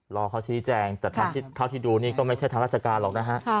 รอเขาชี้แจงแต่เท่าที่ดูนี่ก็ไม่ใช่ทางราชการหรอกนะฮะ